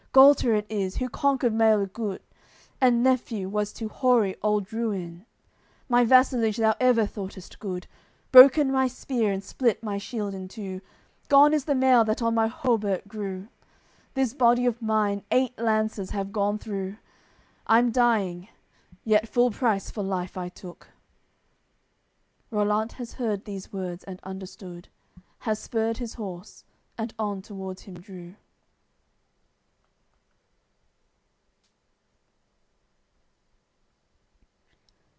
Gualter it is, who conquered Maelgut, And nephew was to hoary old Drouin; My vassalage thou ever thoughtest good. Broken my spear, and split my shield in two; Gone is the mail that on my hauberk grew; This body of mine eight lances have gone through; I'm dying. Yet full price for life I took." Rollant has heard these words and understood, Has spurred his horse, and on towards him drew.